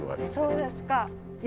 そうですか。